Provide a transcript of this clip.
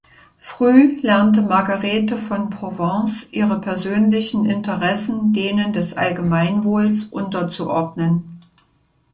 Früh lernte Margarete von Provence, ihre persönlichen Interessen denen des Allgemeinwohls unterzuordnen.